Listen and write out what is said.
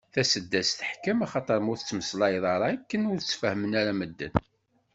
Taseddast teḥkem, axaṭer ma ur tettmeslayeḍ ara akken ur tt-fehmen ara medden.